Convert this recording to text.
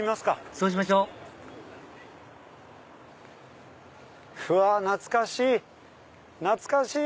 そうしましょううわ懐かしい懐かしい！